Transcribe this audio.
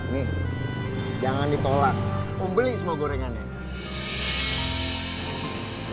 nih jangan ditolak om beli semua gorengannya